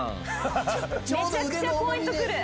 めちゃくちゃポイントくる。